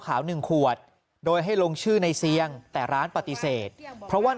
หนึ่งขวดโดยให้ลงชื่อในเสียงแต่ร้านปฏิเสธเพราะว่า